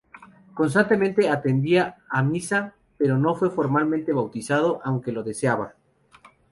Constantemente atendía a misa, pero no fue formalmente bautizado aunque lo deseaba.